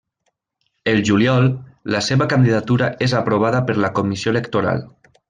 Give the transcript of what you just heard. El juliol, la seva candidatura és aprovada per la Comissió Electoral.